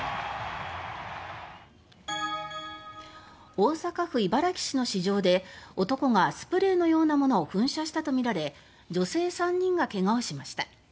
大阪府茨木市の市場で男がスプレーのようなものを噴射したとみられ女性３人がけがをしました。